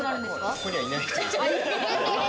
ここにはいない人です。